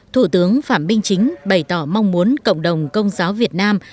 thủ tướng phạm minh chính bày tỏ mong muốn cộng đồng công giáo việt nam